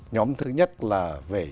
nhóm thứ nhất là về